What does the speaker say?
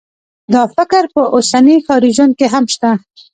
دا فکر په اوسني ښاري ژوند کې هم شته